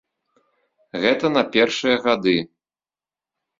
Гэта на першыя гады.